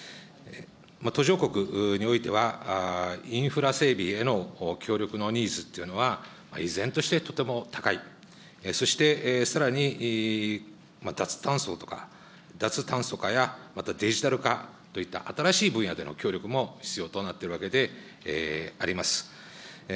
途上国においては、インフラ整備への協力のニーズというのは、依然としてとても高い、そしてさらに脱炭素とか、脱炭素化や、またデジタル化といった新しい分野での協力も必要となっているわけであります。